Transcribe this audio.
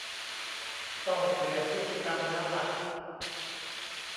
ต้องเปลี่ยนพฤติกรรมแล้วล่ะ